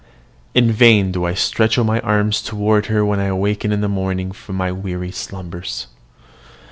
In vain do I stretch out my arms toward her when I awaken in the morning from my weary slumbers.